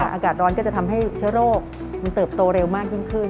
อากาศร้อนก็จะทำให้เชื้อโรคมันเติบโตเร็วมากยิ่งขึ้น